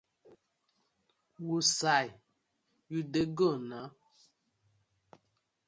Wusai yu dey go na?